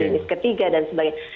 masker klinis ketiga dan sebagainya